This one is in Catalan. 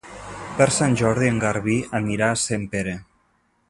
Per Sant Jordi en Garbí anirà a Sempere.